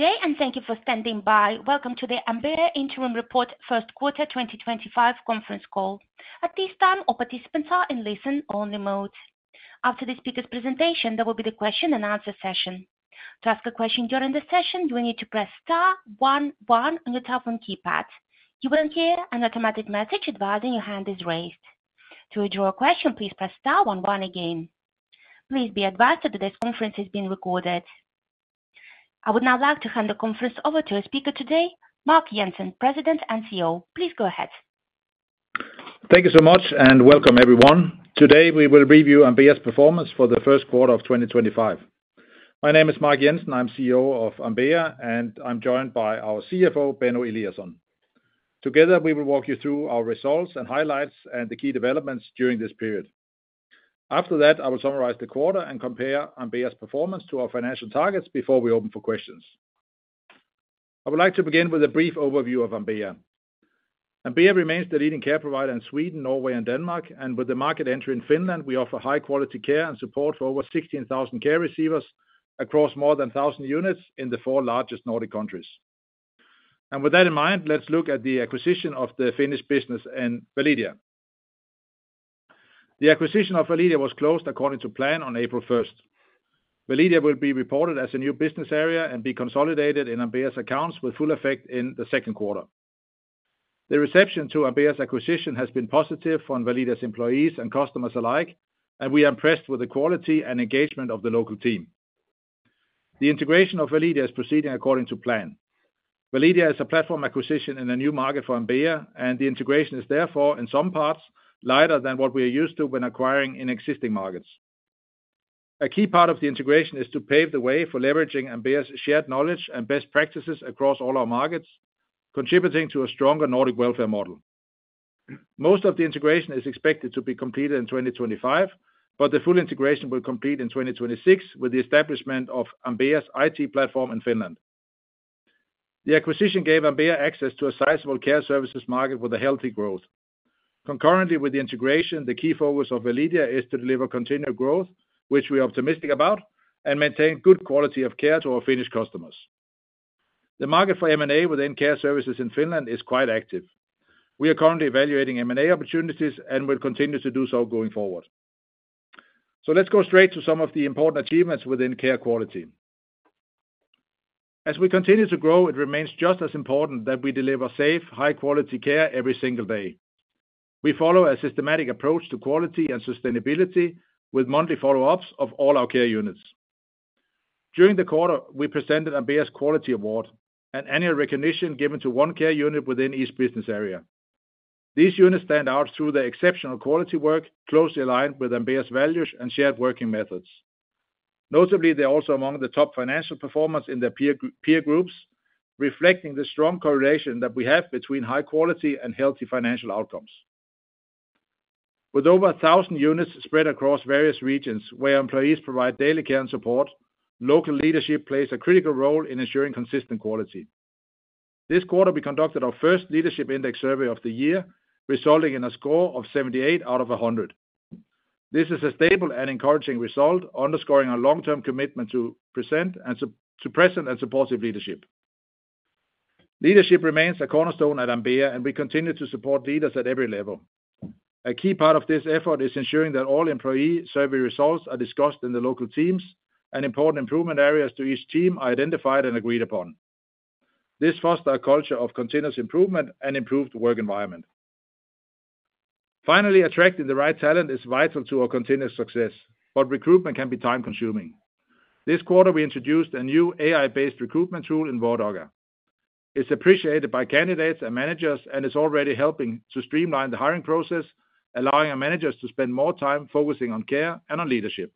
Today, and thank you for standing by. Welcome to the Ambea Interim Report, First Quarter 2025 Conference Call. At this time, all participants are in listen-only mode. After the speaker's presentation, there will be the question-and-answer session. To ask a question during the session, you will need to press star one one on your telephone keypad. You will hear an automatic message advising your hand is raised. To withdraw a question, please press star one one again. Please be advised that this conference is being recorded. I would now like to hand the conference over to our speaker today, Mark Jensen, President and CEO. Please go ahead. Thank you so much, and welcome, everyone. Today, we will review Ambea's performance for the first quarter of 2025. My name is Mark Jensen. I'm CEO of Ambea, and I'm joined by our CFO, Benno Eliasson. Together, we will walk you through our results and highlights and the key developments during this period. After that, I will summarize the quarter and compare Ambea's performance to our financial targets before we open for questions. I would like to begin with a brief overview of Ambea. Ambea remains the leading care provider in Sweden, Norway, and Denmark, and with the market entry in Finland, we offer high-quality care and support for over 16,000 care receivers across more than 1,000 units in the four largest Nordic countries. With that in mind, let's look at the acquisition of the Finnish business in Validia. The acquisition of Validia was closed according to plan on April 1st. Validia will be reported as a new business area and be consolidated in Ambea's accounts with full effect in the second quarter. The reception to Ambea's acquisition has been positive for Validia's employees and customers alike, and we are impressed with the quality and engagement of the local team. The integration of Validia is proceeding according to plan. Validia is a platform acquisition in a new market for Ambea, and the integration is therefore, in some parts, lighter than what we are used to when acquiring in existing markets. A key part of the integration is to pave the way for leveraging Ambea's shared knowledge and best practices across all our markets, contributing to a stronger Nordic welfare model. Most of the integration is expected to be completed in 2025, but the full integration will complete in 2026 with the establishment of Ambea's IT platform in Finland. The acquisition gave Ambea access to a sizable care services market with a healthy growth. Concurrently with the integration, the key focus of Validia is to deliver continued growth, which we are optimistic about, and maintain good quality of care to our Finnish customers. The market for M&A within care services in Finland is quite active. We are currently evaluating M&A opportunities and will continue to do so going forward. Let's go straight to some of the important achievements within care quality. As we continue to grow, it remains just as important that we deliver safe, high-quality care every single day. We follow a systematic approach to quality and sustainability with monthly follow-ups of all our care units. During the quarter, we presented Ambea's Quality Award, an annual recognition given to one care unit within each business area. These units stand out through their exceptional quality work, closely aligned with Ambea's values and shared working methods. Notably, they are also among the top financial performers in their peer groups, reflecting the strong correlation that we have between high quality and healthy financial outcomes. With over 1,000 units spread across various regions where employees provide daily care and support, local leadership plays a critical role in ensuring consistent quality. This quarter, we conducted our first Leadership Index survey of the year, resulting in a score of 78 out of 100. This is a stable and encouraging result, underscoring our long-term commitment to present and supportive leadership. Leadership remains a cornerstone at Ambea, and we continue to support leaders at every level. A key part of this effort is ensuring that all employee survey results are discussed in the local teams, and important improvement areas to each team are identified and agreed upon. This fosters a culture of continuous improvement and an improved work environment. Finally, attracting the right talent is vital to our continued success, but recruitment can be time-consuming. This quarter, we introduced a new AI-based recruitment tool in Vardaga. It's appreciated by candidates and managers and is already helping to streamline the hiring process, allowing our managers to spend more time focusing on care and on leadership.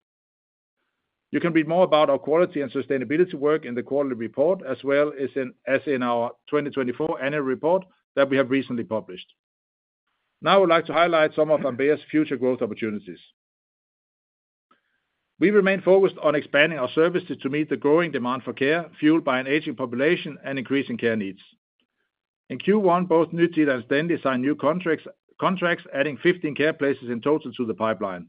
You can read more about our quality and sustainability work in the quarterly report, as well as in our 2024 annual report that we have recently published. Now, I would like to highlight some of Ambea's future growth opportunities. We remain focused on expanding our services to meet the growing demand for care, fueled by an aging population and increasing care needs. In Q1, both Nutida and Stendi signed new contracts, adding 15 care places in total to the pipeline.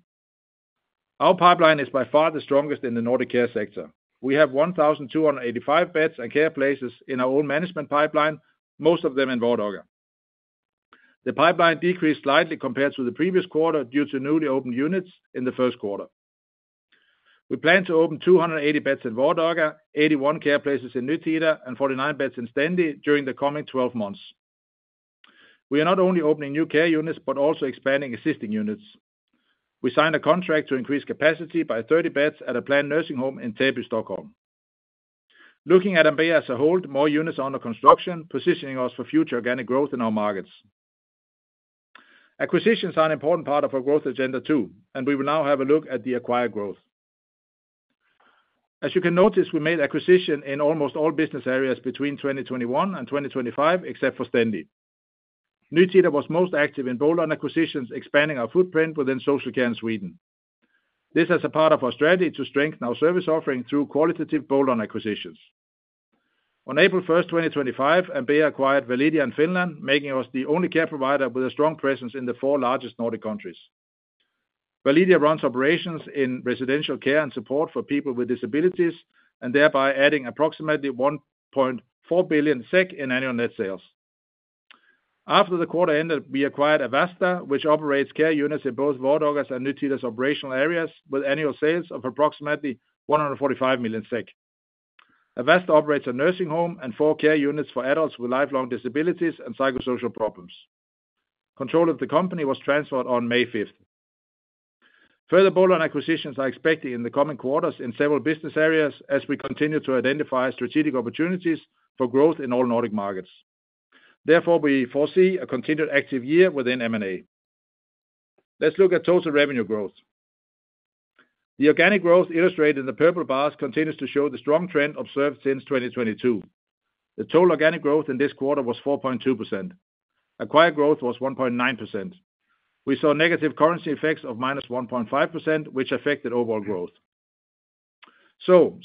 Our pipeline is by far the strongest in the Nordic care sector. We have 1,285 beds and care places in our own management pipeline, most of them in Vardaga. The pipeline decreased slightly compared to the previous quarter due to newly opened units in the first quarter. We plan to open 280 beds in Vardaga, 81 care places in Nutida, and 49 beds in Stendi during the coming 12 months. We are not only opening new care units but also expanding existing units. We signed a contract to increase capacity by 30 beds at a planned nursing home in Täby, Stockholm. Looking at Ambea as a whole, more units are under construction, positioning us for future organic growth in our markets. Acquisitions are an important part of our growth agenda too, and we will now have a look at the acquired growth. As you can notice, we made acquisitions in almost all business areas between 2021 and 2025, except for Stendi. Nutida was most active in bolon acquisitions, expanding our footprint within social care in Sweden. This is a part of our strategy to strengthen our service offering through qualitative bolon acquisitions. On April 1, 2025, Ambea acquired Validia in Finland, making us the only care provider with a strong presence in the four largest Nordic countries. Validia runs operations in residential care and support for people with disabilities, thereby adding approximately 1.4 billion SEK in annual net sales. After the quarter ended, we acquired Avasta, which operates care units in both Vardaga's and Nutida's operational areas, with annual sales of approximately 145 million SEK. Avasta operates a nursing home and four care units for adults with lifelong disabilities and psychosocial problems. Control of the company was transferred on May 5th. Further Bolon acquisitions are expected in the coming quarters in several business areas as we continue to identify strategic opportunities for growth in all Nordic markets. Therefore, we foresee a continued active year within M&A. Let's look at total revenue growth. The organic growth illustrated in the purple bars continues to show the strong trend observed since 2022. The total organic growth in this quarter was 4.2%. Acquired growth was 1.9%. We saw negative currency effects of -1.5%, which affected overall growth.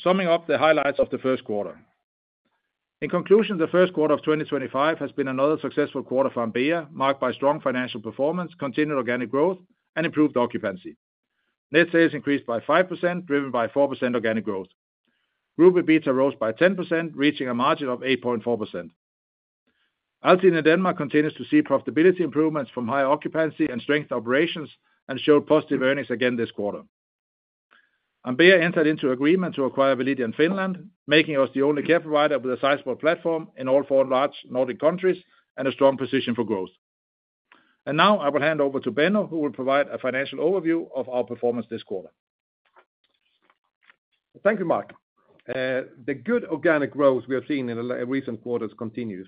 Summing up the highlights of the first quarter. In conclusion, the first quarter of 2025 has been another successful quarter for Ambea, marked by strong financial performance, continued organic growth, and improved occupancy. Net sales increased by 5%, driven by 4% organic growth. Group EBITDA rose by 10%, reaching a margin of 8.4%. Altiden in Denmark continues to see profitability improvements from higher occupancy and strengthened operations and showed positive earnings again this quarter. Ambea entered into agreement to acquire Validia in Finland, making us the only care provider with a sizable platform in all four large Nordic countries and a strong position for growth. I will hand over to Benno, who will provide a financial overview of our performance this quarter. Thank you, Mark. The good organic growth we have seen in the recent quarters continues.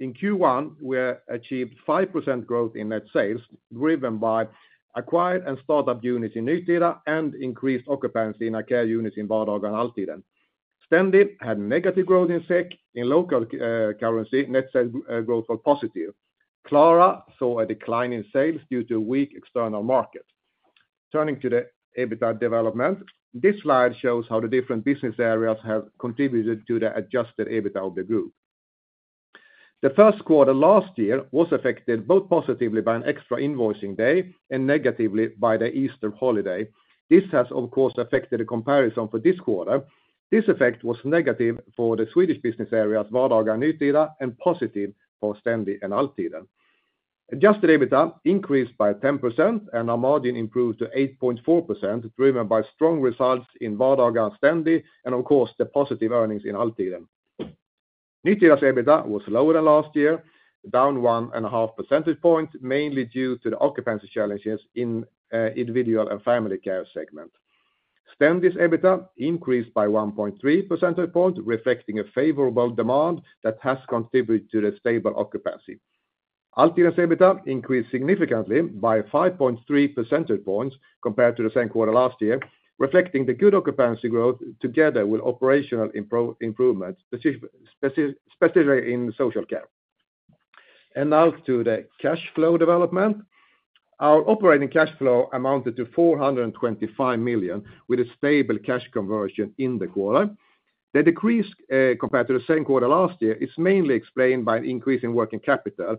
In Q1, we achieved 5% growth in net sales, driven by acquired and startup units in Nutida and increased occupancy in our care units in Vardaga and Altiden. Stendi had negative growth in SEK. In local currency, net sales growth was positive. Klara saw a decline in sales due to a weak external market. Turning to the EBITDA development, this slide shows how the different business areas have contributed to the adjusted EBITDA of the group. The first quarter last year was affected both positively by an extra invoicing day and negatively by the Easter holiday. This has, of course, affected the comparison for this quarter. This effect was negative for the Swedish business areas, Vardaga and Nutida, and positive for Stendi and Altiden. Adjusted EBITDA increased by 10%, and our margin improved to 8.4%, driven by strong results in Vardaga and Stendi, and, of course, the positive earnings in Altiden. Nutida's EBITDA was lower than last year, down one and a half percentage points, mainly due to the occupancy challenges in individual and family care segment. Stendi's EBITDA increased by 1.3 percentage points, reflecting a favorable demand that has contributed to the stable occupancy. Altiden's EBITDA increased significantly by 5.3 percentage points compared to the same quarter last year, reflecting the good occupancy growth together with operational improvements, specifically in social care. Now to the cash flow development. Our operating cash flow amounted to 425 million, with a stable cash conversion in the quarter. The decrease compared to the same quarter last year is mainly explained by an increase in working capital.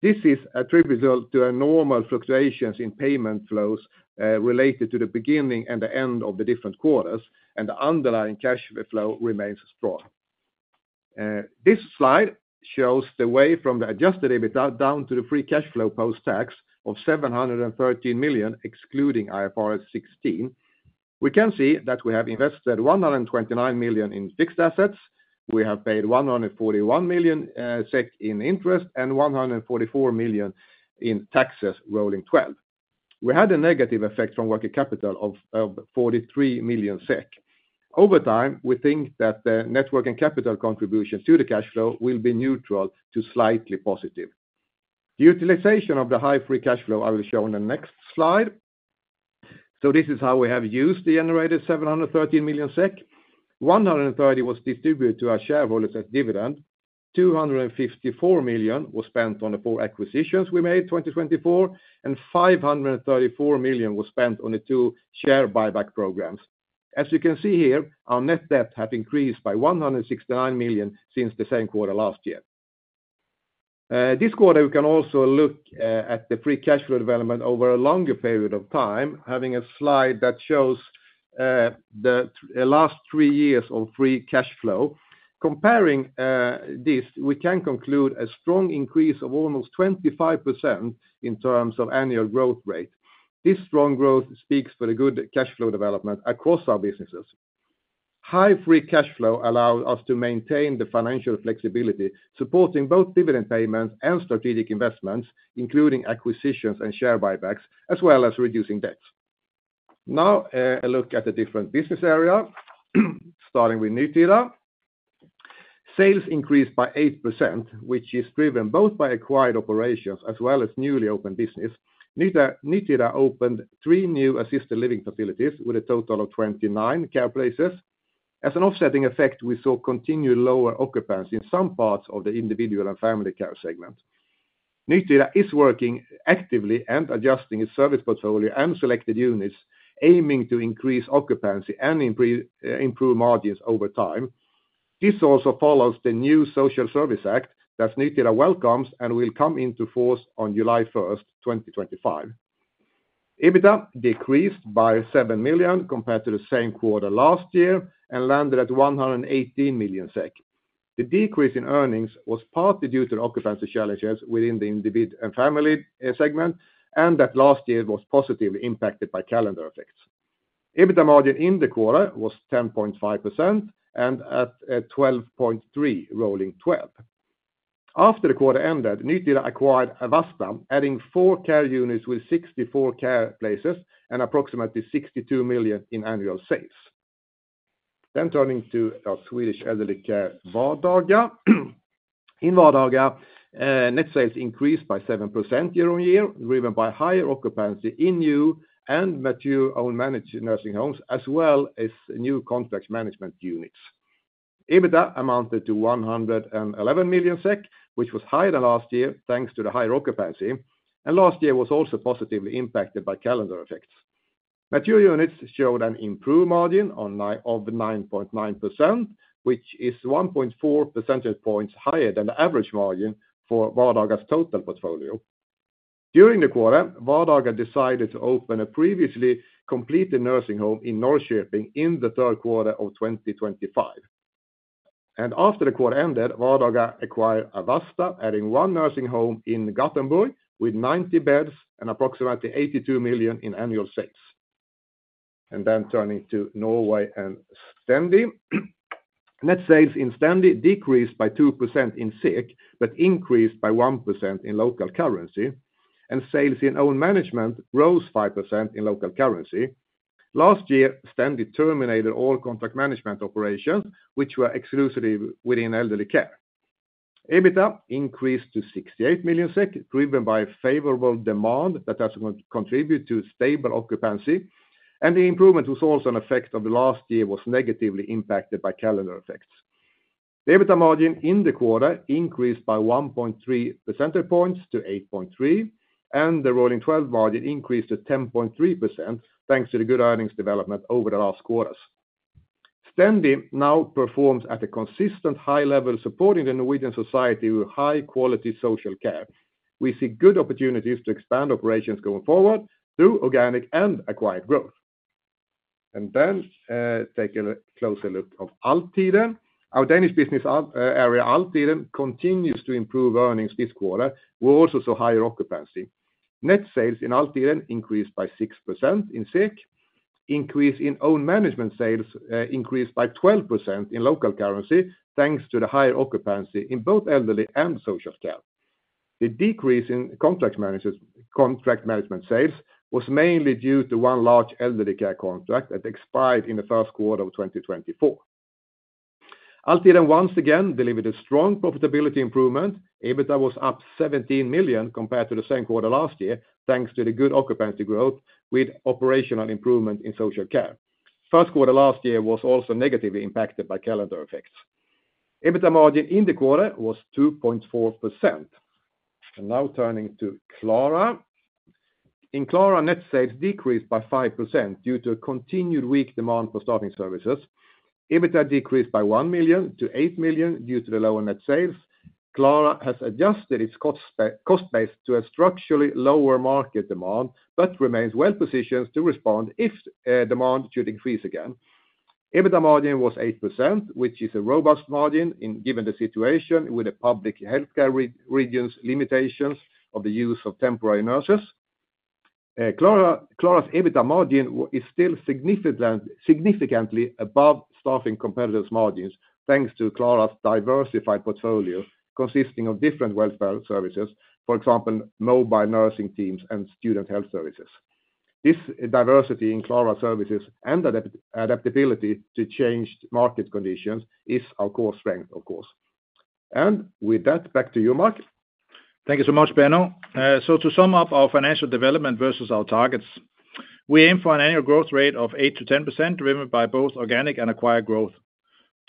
This is attributable to normal fluctuations in payment flows related to the beginning and the end of the different quarters, and the underlying cash flow remains strong. This slide shows the way from the adjusted EBITDA down to the free cash flow post-tax of 713 million, excluding IFRS 16. We can see that we have invested 129 million in fixed assets. We have paid 141 million SEK in interest and 144 million in taxes rolling 12. We had a negative effect from working capital of 43 million SEK. Over time, we think that the net working capital contributions to the cash flow will be neutral to slightly positive. The utilization of the high free cash flow I will show on the next slide. This is how we have used the generated 713 million SEK. 130 million was distributed to our shareholders as dividend. 254 million was spent on the four acquisitions we made in 2024, and 534 million was spent on the two share buyback programs. As you can see here, our net debt has increased by 169 million since the same quarter last year. This quarter, we can also look at the free cash flow development over a longer period of time, having a slide that shows the last three years of free cash flow. Comparing this, we can conclude a strong increase of almost 25% in terms of annual growth rate. This strong growth speaks for the good cash flow development across our businesses. High free cash flow allows us to maintain the financial flexibility, supporting both dividend payments and strategic investments, including acquisitions and share buybacks, as well as reducing debts. Now, a look at the different business areas, starting with Nutida. Sales increased by 8%, which is driven both by acquired operations as well as newly opened business. Nutida opened three new assisted living facilities with a total of 29 care places. As an offsetting effect, we saw continued lower occupancy in some parts of the individual and family care segment. Nutida is working actively and adjusting its service portfolio and selected units, aiming to increase occupancy and improve margins over time. This also follows the new Social Service Act that Nutida welcomes and will come into force on July 1, 2025. EBITDA decreased by 7 million compared to the same quarter last year and landed at 118 million SEK. The decrease in earnings was partly due to the occupancy challenges within the individual and family segment, and that last year was positively impacted by calendar effects. EBITDA margin in the quarter was 10.5% and at 12.3%, rolling 12. After the quarter ended, Nutida acquired Avasta, adding four care units with 64 care places and approximately 62 million in annual sales. Turning to our Swedish elderly care, Vardaga. In Vardaga, net sales increased by 7% year-on-year, driven by higher occupancy in new and mature-owned managed nursing homes, as well as new contract management units. EBITDA amounted to 111 million SEK, which was higher than last year thanks to the higher occupancy, and last year was also positively impacted by calendar effects. Mature units showed an improved margin of 9.9%, which is 1.4 percentage points higher than the average margin for Vardaga's total portfolio. During the quarter, Vardaga decided to open a previously completed nursing home in Norrköping in the third quarter of 2025. After the quarter ended, Vardaga acquired Avasta, adding one nursing home in Gothenburg with 90 beds and approximately 82 million in annual sales. Turning to Norway and Stendi, net sales in Stendi decreased by 2% in SEK, but increased by 1% in local currency, and sales in own management rose 5% in local currency. Last year, Stendi terminated all contract management operations, which were exclusively within elderly care. EBITDA increased to 68 million SEK, driven by favorable demand that has contributed to stable occupancy, and the improvement was also an effect of the last year being negatively impacted by calendar effects. The EBITDA margin in the quarter increased by 1.3 percentage points to 8.3%, and the rolling 12 margin increased to 10.3% thanks to the good earnings development over the last quarters. Stendi now performs at a consistent high level, supporting the Norwegian society with high-quality social care. We see good opportunities to expand operations going forward through organic and acquired growth. Take a closer look at Altiden. Our Danish business area, Altiden, continues to improve earnings this quarter. We also saw higher occupancy. Net sales in Altiden increased by 6% in SEK. Increase in own management sales increased by 12% in local currency thanks to the higher occupancy in both elderly and social care. The decrease in contract management sales was mainly due to one large elderly care contract that expired in the first quarter of 2024. Altiden once again delivered a strong profitability improvement. EBITDA was up 17 million compared to the same quarter last year thanks to the good occupancy growth with operational improvement in social care. First quarter last year was also negatively impacted by calendar effects. EBITDA margin in the quarter was 2.4%. Now turning to Klara. In Klara, net sales decreased by 5% due to a continued weak demand for staffing services. EBITDA decreased by 1 million to 8 million due to the lower net sales. Klara has adjusted its cost base to a structurally lower market demand, but remains well-positioned to respond if demand should increase again. EBITDA margin was 8%, which is a robust margin given the situation with the public healthcare region's limitations of the use of temporary nurses. Klara's EBITDA margin is still significantly above staffing competitors' margins thanks to Klara's diversified portfolio consisting of different welfare services, for example, mobile nursing teams and student health services. This diversity in Klara's services and adaptability to changed market conditions is our core strength, of course. With that, back to you, Mark. Thank you so much, Benno. To sum up our financial development versus our targets, we aim for an annual growth rate of 8-10%, driven by both organic and acquired growth.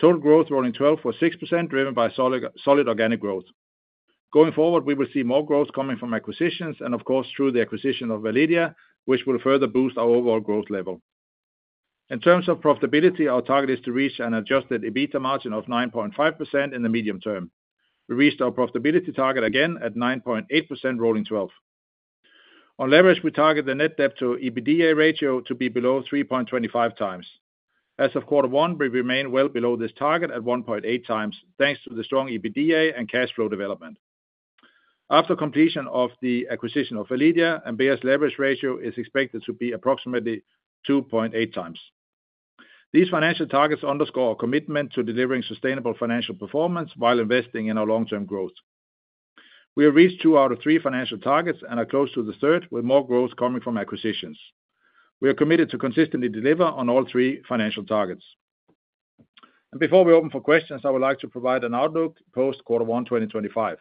Total growth rolling 12 was 6%, driven by solid organic growth. Going forward, we will see more growth coming from acquisitions and, of course, through the acquisition of Validia, which will further boost our overall growth level. In terms of profitability, our target is to reach an adjusted EBITDA margin of 9.5% in the medium term. We reached our profitability target again at 9.8% rolling 12. On leverage, we target the net debt to EBITDA ratio to be below 3.25 times. As of quarter one, we remain well below this target at 1.8 times thanks to the strong EBITDA and cash flow development. After completion of the acquisition of Validia, Ambea's leverage ratio is expected to be approximately 2.8 times. These financial targets underscore our commitment to delivering sustainable financial performance while investing in our long-term growth. We have reached two out of three financial targets and are close to the third, with more growth coming from acquisitions. We are committed to consistently deliver on all three financial targets. Before we open for questions, I would like to provide an outlook post quarter one 2025.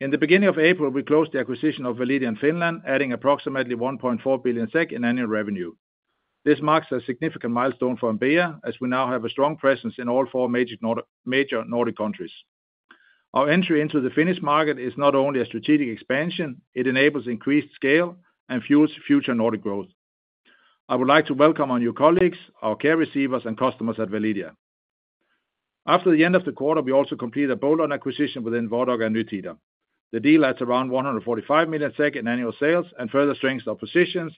In the beginning of April, we closed the acquisition of Validia in Finland, adding approximately 1.4 billion SEK in annual revenue. This marks a significant milestone for Ambea, as we now have a strong presence in all four major Nordic countries. Our entry into the Finnish market is not only a strategic expansion; it enables increased scale and fuels future Nordic growth. I would like to welcome our new colleagues, our care receivers, and customers at Validia. After the end of the quarter, we also completed a bold acquisition within Vardaga and Nutida. The deal adds around 145 million SEK in annual sales and further strengthens our positions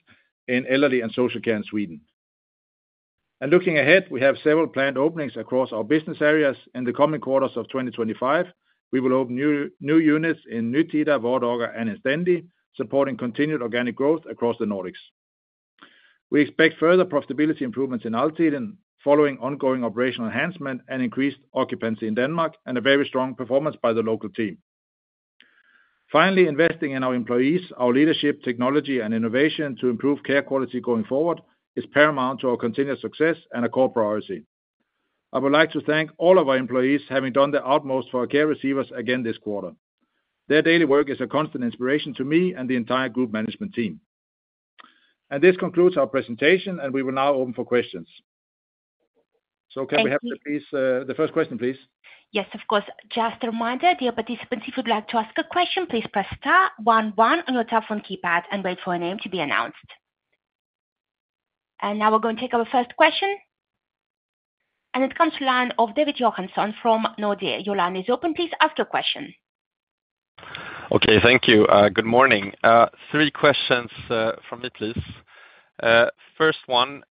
in elderly and social care in Sweden. Looking ahead, we have several planned openings across our business areas. In the coming quarters of 2025, we will open new units in Nutida, Vardaga, and in Stendi, supporting continued organic growth across the Nordics. We expect further profitability improvements in Altiden following ongoing operational enhancement and increased occupancy in Denmark, and a very strong performance by the local team. Finally, investing in our employees, our leadership, technology, and innovation to improve care quality going forward is paramount to our continued success and a core priority. I would like to thank all of our employees for having done their utmost for our care receivers again this quarter. Their daily work is a constant inspiration to me and the entire group management team. This concludes our presentation, and we will now open for questions. Can we have the first question, please? Yes, of course. Just a reminder, dear participants, if you would like to ask a question, please press star one one on your telephone keypad and wait for a name to be announced. We are going to take our first question. It comes to the line of David Johansson from Nordea. Your line is open. Please ask your question. Okay, thank you. Good morning. Three questions from me, please. First one,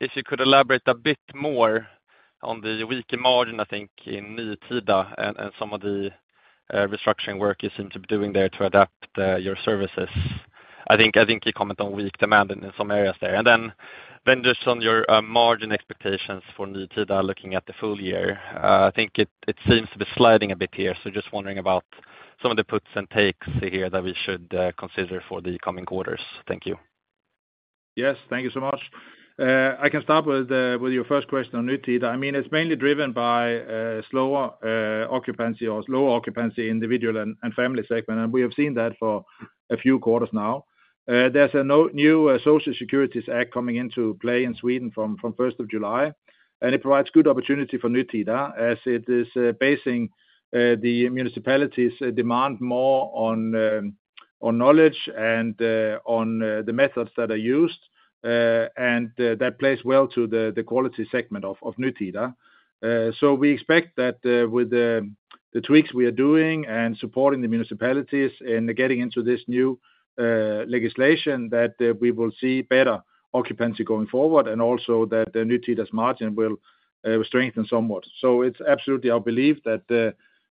if you could elaborate a bit more on the weaker margin, I think, in Nutida and some of the restructuring work you seem to be doing there to adapt your services. I think you comment on weak demand in some areas there. Just on your margin expectations for Nutida looking at the full year. I think it seems to be sliding a bit here, so just wondering about some of the puts and takes here that we should consider for the coming quarters. Thank you. Yes, thank you so much. I can start with your first question on Nutida. I mean, it's mainly driven by slower occupancy or lower occupancy in the individual and family segment, and we have seen that for a few quarters now. There is a new Social Service Act coming into play in Sweden from 1st of July, and it provides good opportunity for Nutida as it is basing the municipality's demand more on knowledge and on the methods that are used, and that plays well to the quality segment of Nutida. We expect that with the tweaks we are doing and supporting the municipalities in getting into this new legislation, we will see better occupancy going forward and also that Nutida's margin will strengthen somewhat. It is absolutely our belief that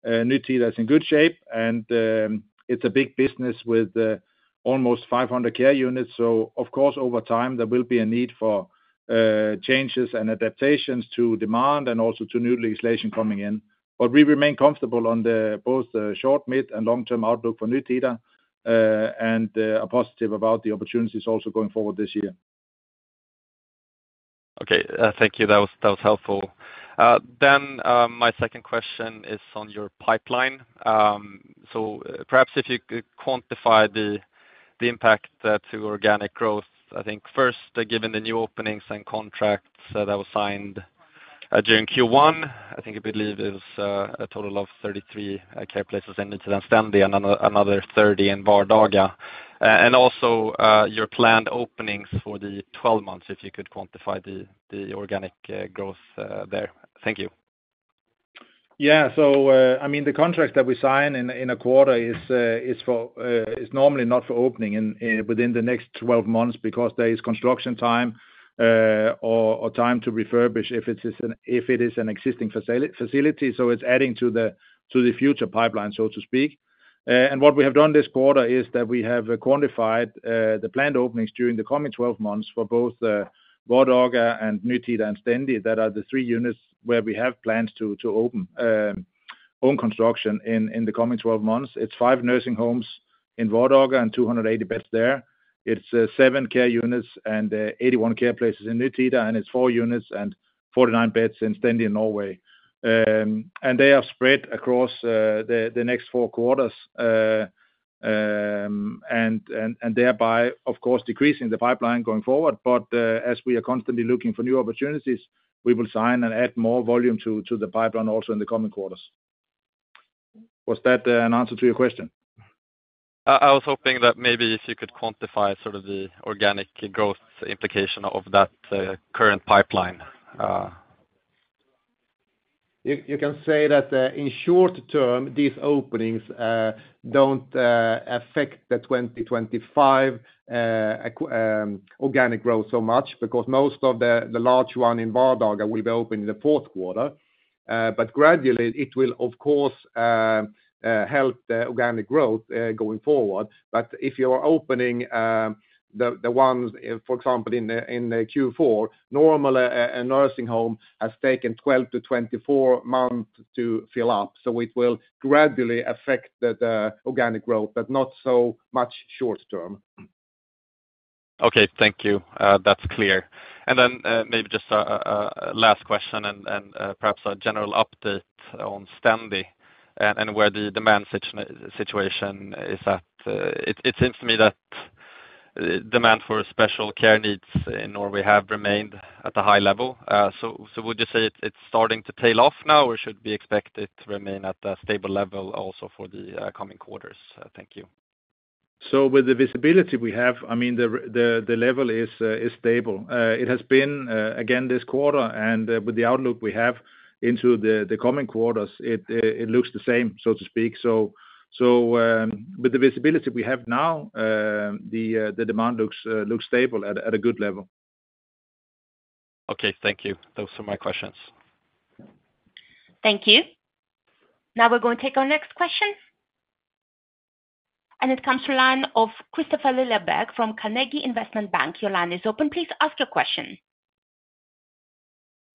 Nutida is in good shape, and it's a big business with almost 500 care units. Of course, over time, there will be a need for changes and adaptations to demand and also to new legislation coming in. We remain comfortable on both the short, mid, and long-term outlook for Nutida and are positive about the opportunities also going forward this year. Okay, thank you. That was helpful. My second question is on your pipeline. Perhaps if you could quantify the impact to organic growth, I think first, given the new openings and contracts that were signed during Q1, I believe it was a total of 33 care places in Nutida and Stendi and another 30 in Vardaga. Also, your planned openings for the next 12 months, if you could quantify the organic growth there. Thank you. Yeah, so I mean, the contract that we sign in a quarter is normally not for opening within the next 12 months because there is construction time or time to refurbish if it is an existing facility. It is adding to the future pipeline, so to speak. What we have done this quarter is that we have quantified the planned openings during the coming 12 months for both Vardaga and Nutida and Stendi. Those are the three units where we have plans to open own construction in the coming 12 months. It is five nursing homes in Vardaga and 280 beds there. It is seven care units and 81 care places in Nutida, and it is four units and 49 beds in Stendi in Norway. They are spread across the next four quarters and thereby, of course, decreasing the pipeline going forward. As we are constantly looking for new opportunities, we will sign and add more volume to the pipeline also in the coming quarters. Was that an answer to your question? I was hoping that maybe if you could quantify sort of the organic growth implication of that current pipeline. You can say that in short term, these openings don't affect the 2025 organic growth so much because most of the large one in Vardaga will be open in the fourth quarter. Gradually, it will, of course, help the organic growth going forward. If you are opening the ones, for example, in Q4, normally a nursing home has taken 12-24 months to fill up. It will gradually affect the organic growth, but not so much short term. Okay, thank you. That's clear. Maybe just a last question and perhaps a general update on Stendi and where the demand situation is at. It seems to me that demand for special care needs in Norway have remained at a high level. Would you say it's starting to tail off now or should we expect it to remain at a stable level also for the coming quarters? Thank you. With the visibility we have, I mean, the level is stable. It has been again this quarter, and with the outlook we have into the coming quarters, it looks the same, so to speak. With the visibility we have now, the demand looks stable at a good level. Okay, thank you. Those are my questions. Thank you. Now we're going to take our next question. It comes from the line of Kristofer Liljeberg from Carnegie Investment Bank. Your line is open. Please ask your question.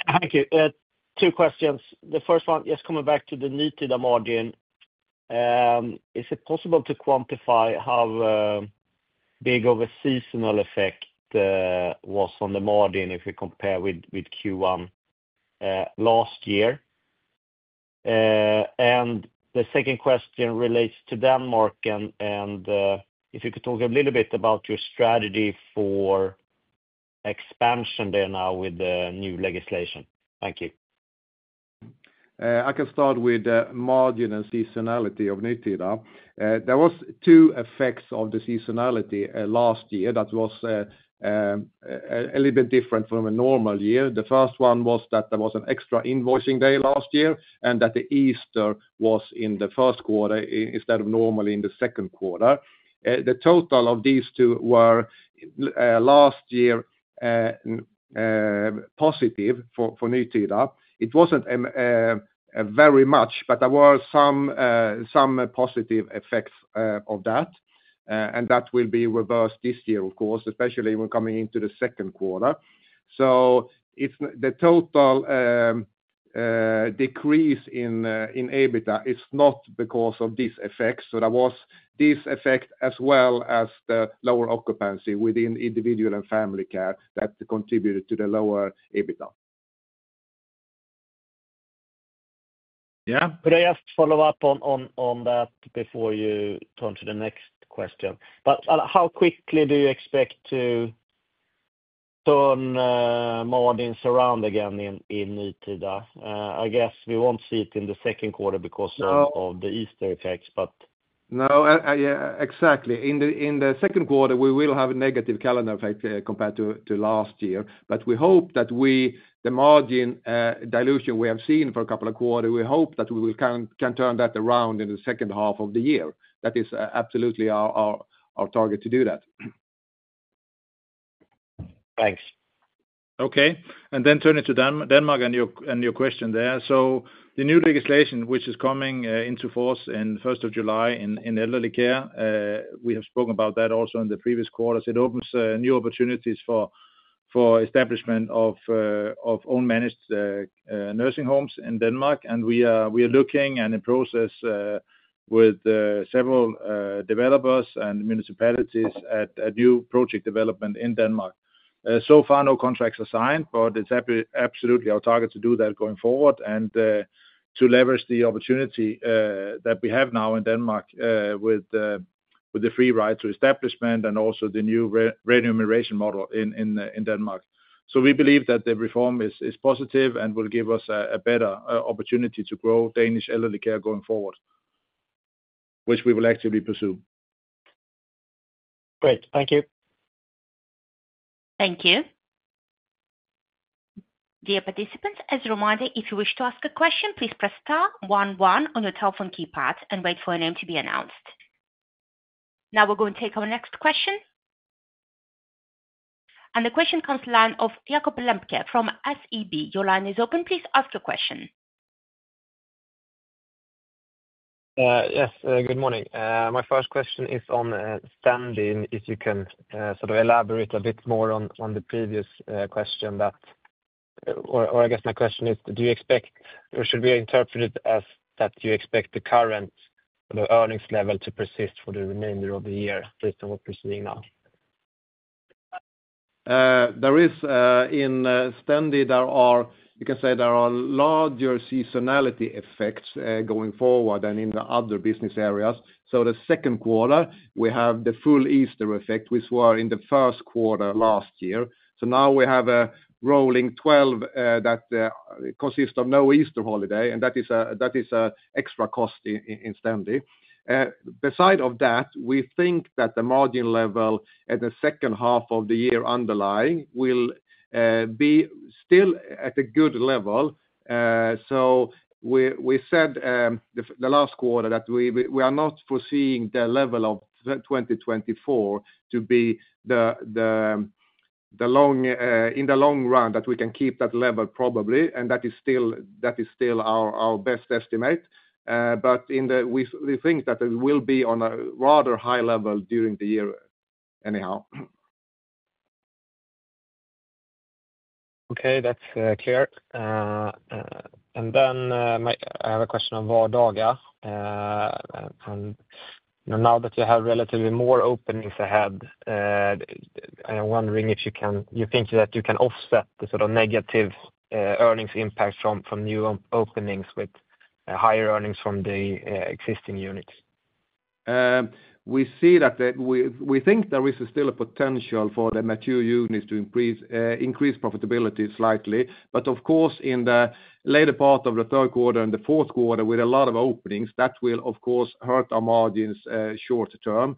Thank you. Two questions. The first one, just coming back to the Nutida margin, is it possible to quantify how big of a seasonal effect was on the margin if we compare with Q1 last year? The second question relates to Denmark. If you could talk a little bit about your strategy for expansion there now with the new legislation. Thank you. I can start with the margin and seasonality of Nutida. There were two effects of the seasonality last year that were a little bit different from a normal year. The first one was that there was an extra invoicing day last year and that the Easter was in the first quarter instead of normally in the second quarter. The total of these two were last year positive for Nutida. It was not very much, but there were some positive effects of that. That will be reversed this year, of course, especially when coming into the second quarter. The total decrease in EBITDA is not because of these effects. There was this effect as well as the lower occupancy within individual and family care that contributed to the lower EBITDA. Yeah. Could I just follow up on that before you turn to the next question? How quickly do you expect to turn margins around again in Nutida? I guess we won't see it in the second quarter because of the Easter effects. No, exactly. In the second quarter, we will have a negative calendar effect compared to last year. We hope that the margin dilution we have seen for a couple of quarters, we hope that we can turn that around in the second half of the year. That is absolutely our target to do that. Thanks. Okay. Turning to Denmark and your question there. The new legislation which is coming into force on 1st of July in elderly care, we have spoken about that also in the previous quarters. It opens new opportunities for establishment of own-managed nursing homes in Denmark. We are looking and in process with several developers and municipalities at new project development in Denmark. So far, no contracts are signed, but it is absolutely our target to do that going forward and to leverage the opportunity that we have now in Denmark with the free ride to establishment and also the new remuneration model in Denmark. We believe that the reform is positive and will give us a better opportunity to grow Danish elderly care going forward, which we will actively pursue. Great. Thank you. Thank you. Dear participants, as a reminder, if you wish to ask a question, please press star one one on your telephone keypad and wait for a name to be announced. Now we are going to take our next question. The question comes from the line of Jakob Lembke from SEB. Your line is open. Please ask your question. Yes, good morning. My first question is on Stendi. If you can sort of elaborate a bit more on the previous question, or I guess my question is, do you expect or should we interpret it as that you expect the current earnings level to persist for the remainder of the year based on what we're seeing now? There is in Stendi, you can say there are larger seasonality effects going forward than in the other business areas. The second quarter, we have the full Easter effect, which were in the first quarter last year. Now we have a rolling 12 that consists of no Easter holiday, and that is an extra cost in Stendi. Beside of that, we think that the margin level at the second half of the year underlying will be still at a good level. We said the last quarter that we are not foreseeing the level of 2024 to be in the long run that we can keep that level probably, and that is still our best estimate. We think that it will be on a rather high level during the year anyhow. Okay, that's clear. I have a question on Vardaga. Now that you have relatively more openings ahead, I'm wondering if you think that you can offset the sort of negative earnings impact from new openings with higher earnings from the existing units? We see that we think there is still a potential for the mature units to increase profitability slightly. Of course, in the later part of the third quarter and the fourth quarter, with a lot of openings, that will, of course, hurt our margins short term.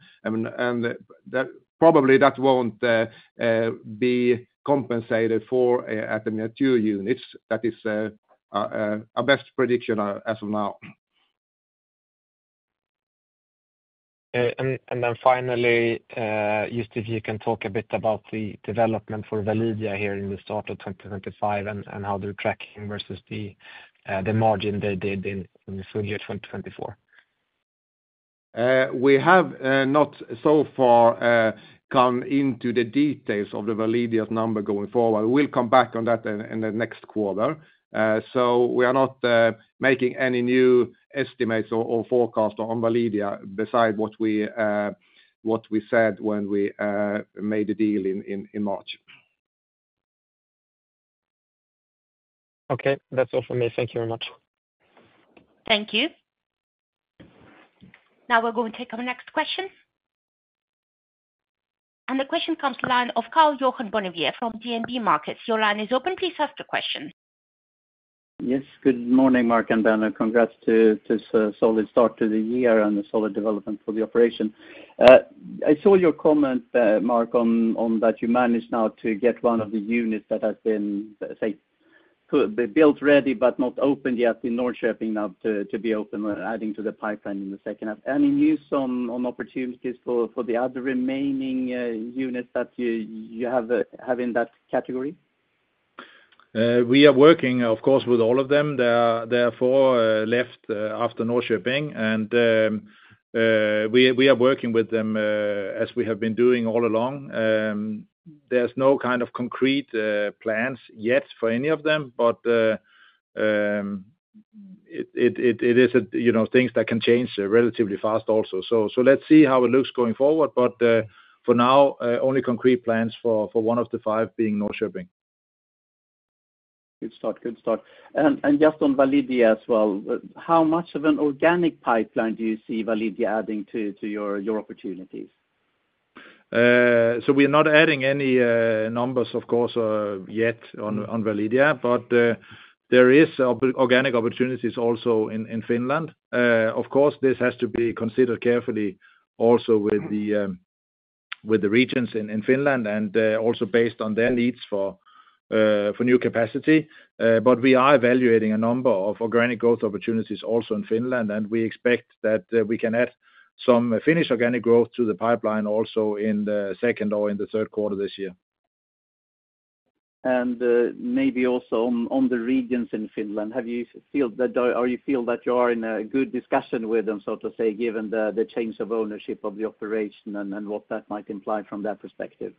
Probably that will not be compensated for at the mature units. That is our best prediction as of now. If you can talk a bit about the development for Validia here in the start of 2025 and how they're tracking versus the margin they did in full year 2024. We have not so far gone into the details of Validia's number going forward. We'll come back on that in the next quarter. We are not making any new estimates or forecasts on Validia beside what we said when we made the deal in March. Okay, that's all from me. Thank you very much. Thank you. Now we're going to take our next question. The question comes from the line of Karl-Johan Bonnevier from DNB Markets. Your line is open. Please ask your question. Yes, good morning, Mark and Benno. Congrats to a solid start to the year and a solid development for the operation. I saw your comment, Mark, on that you managed now to get one of the units that has been built ready but not opened yet in Norrköping now to be open and adding to the pipeline in the second half. Any news on opportunities for the other remaining units that you have in that category? We are working, of course, with all of them. There are four left after Norrköping, and we are working with them as we have been doing all along. There are no kind of concrete plans yet for any of them, but it is things that can change relatively fast also. Let's see how it looks going forward. For now, only concrete plans for one of the five being Norrköping. Good start. Good start. And just on Validia as well, how much of an organic pipeline do you see Validia adding to your opportunities? We are not adding any numbers, of course, yet on Validia, but there are organic opportunities also in Finland. Of course, this has to be considered carefully also with the regions in Finland and also based on their needs for new capacity. We are evaluating a number of organic growth opportunities also in Finland, and we expect that we can add some Finnish organic growth to the pipeline also in the second or in the third quarter this year. Maybe also on the regions in Finland, have you felt that you are in a good discussion with them, so to say, given the change of ownership of the operation and what that might imply from that perspective?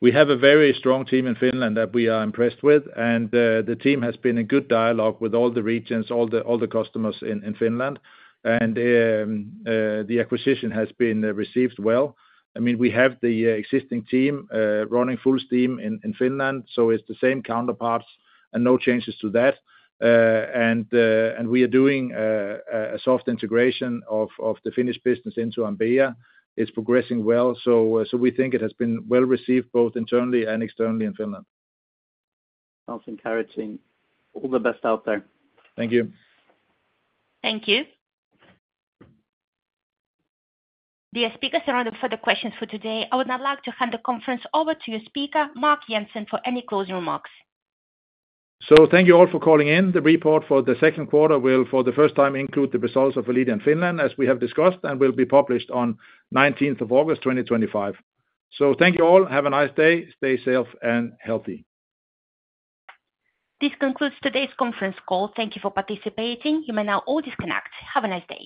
We have a very strong team in Finland that we are impressed with, and the team has been in good dialogue with all the regions, all the customers in Finland. The acquisition has been received well. I mean, we have the existing team running full steam in Finland, so it's the same counterparts and no changes to that. We are doing a soft integration of the Finnish business into Ambea. It's progressing well. We think it has been well received both internally and externally in Finland. Sounds encouraging. All the best out there. Thank you. Thank you. The speakers are running for the questions for today. I would now like to hand the conference over to your speaker, Mark Jensen, for any closing remarks. Thank you all for calling in. The report for the second quarter will, for the first time, include the results of Validia and Finland, as we have discussed, and will be published on 19th of August, 2025. Thank you all. Have a nice day. Stay safe and healthy. This concludes today's conference call. Thank you for participating. You may now all disconnect. Have a nice day.